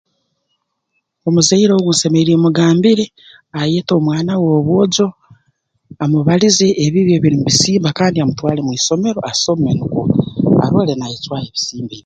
Omuzaire ogu nsemeriire mugambire ayete omwana we ow'obwojo amubalize ebibi ebiri mu bisimba kandi amutwale mu isomero asome nukwo arole naayecwaho ebisimba ebi